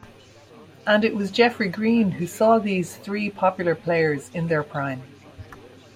And it was Geoffrey Green who saw these three popular players in their prime.